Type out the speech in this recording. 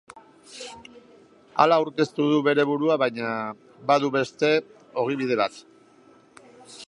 Hala aurkeztu du bere burua baina, badu beste ogibide bat.